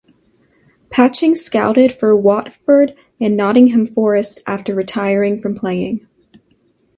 Patching scouted for Watford and Nottingham Forest after retiring from playing.